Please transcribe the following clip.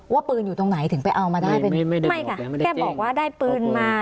ว่าปืนอยู่ตรงไหนถึงไปเอามาได้ไม่ค่ะแค่บอกว่าได้ปืนมา